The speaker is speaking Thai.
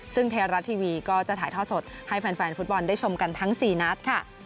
ซึ่งไทยรัฐทีวีก็จะถ่ายท่อสดให้แฟนฟุตบอลได้ชมกันทั้ง๔นัดค่ะ